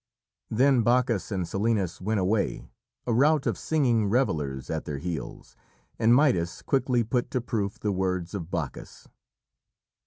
Then Bacchus and Silenus went away, a rout of singing revellers at their heels, and Midas quickly put to proof the words of Bacchus.